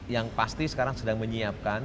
yang pasti sekarang sedang menyiapkan